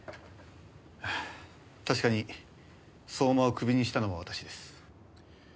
確かに相馬をクビにしたのは私です。